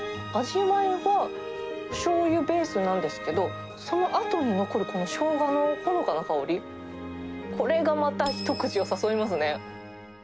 味わいは、しょうゆベースなんですけど、そのあとに残るこのしょうがのほのかな香り、これがまた一口を誘いますね。